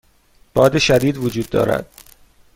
باد شدید وجود دارد.